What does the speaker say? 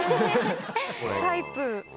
「タイプ」。